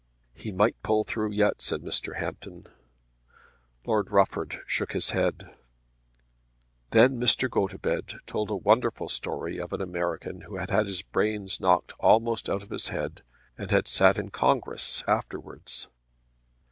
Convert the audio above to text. "He might pull through yet," said Mr. Hampton. Lord Rufford shook his head. Then Mr. Gotobed told a wonderful story of an American who had had his brains knocked almost out of his head and had sat in Congress afterwards.